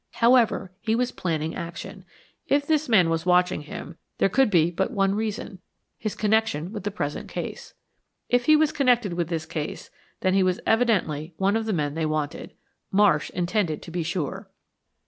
However, he was planning action. If this man was watching him there could be but one reason his connection with the present case. If he was connected with this case then he was evidently one of the men they wanted. Marsh intended to be sure.